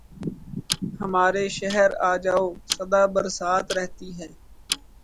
ہمارے شہر آجاؤ صدا برسات رہتی ہے